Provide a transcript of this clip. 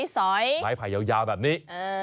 สอยไม้ไผ่ยาวแบบนี้